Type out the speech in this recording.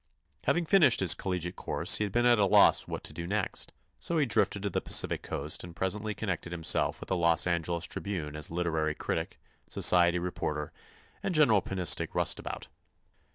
Having finished his collegiate course he had been at a loss what to do next, so he drifted to the Pacific coast and presently connected himself with the Los Angeles Tribune as literary critic, society reporter and general penistic roustabout.